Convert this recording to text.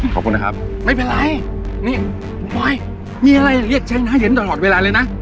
ขอบคุณนะครับไม่เป็นไรนี่บอยมีอะไรเรียกฉันให้เห็นตลอดเวลาเลยนะ